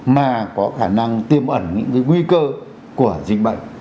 mà có khả năng tiêm ẩn những nguy cơ của dịch bệnh